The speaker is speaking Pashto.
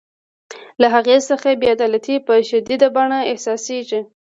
له هغې څخه بې عدالتي په شدیده بڼه احساسیږي.